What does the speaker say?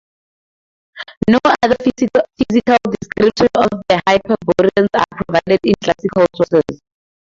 No other physical descriptions of the Hyperboreans are provided in classical sources.